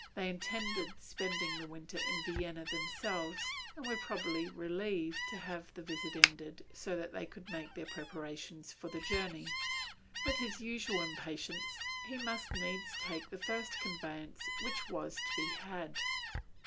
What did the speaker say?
They intended spending the winter in Vienna themselves, and were probably relieved to have the visit ended so that they could make their preparations for the journey. With his usual impatience, he must needs take the first conveyance which was to be had.